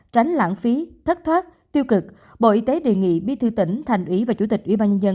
tránh lãng phí thất thoát tiêu cực bộ y tế đề nghị bí thư tỉnh thành ủy và chủ tịch ủy ban nhân dân